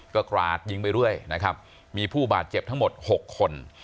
ก็กราดยิงไปเรื่อยนะครับมีผู้บาดเจ็บทั้งหมด๖คน